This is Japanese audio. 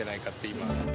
今。